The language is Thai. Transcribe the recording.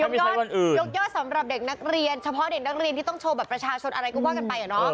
ยกยอดสำหรับเด็กนักเรียนเฉพาะเด็กนักเรียนที่ต้องโชว์บัตรประชาชนอะไรก็ว่ากันไป